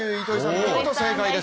見事正解です。